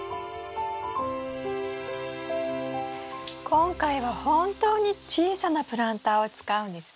今回は本当に小さなプランターを使うんですね。